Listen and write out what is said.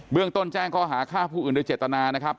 เรื่องต้นแจ้งข้อหาฆ่าผู้อื่นโดยเจตนานะครับ